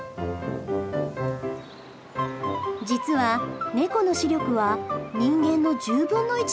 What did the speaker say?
実はネコの視力は人間の１０分の１程度といわれています。